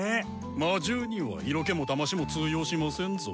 魔獣にはイロケもだましも通用しませんぞ。